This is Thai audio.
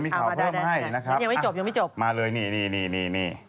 มาเลยนี่